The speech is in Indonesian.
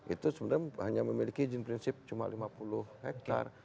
itu sebenarnya hanya memiliki izin prinsip cuma lima puluh hektare